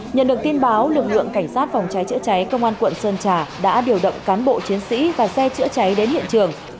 nhận được tin báo lực lượng cảnh sát phòng cháy chữa cháy công an quận sơn trà đã điều động cán bộ chiến sĩ và xe chữa cháy đến hiện trường